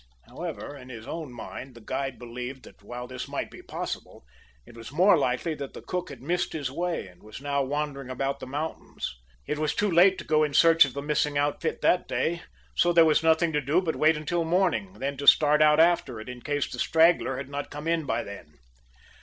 However, in his own mind the guide believed that, while this might be possible, it was more likely that the cook had missed his way, and was now wandering about the mountains. It was too late to go in search of the missing outfit that day, so there was nothing to do but to wait until morning, then to start out after it, in case the straggler had not come in by then.